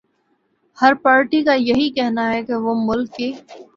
ہر party کایہی کہنا ہے کہ وہ ملک کی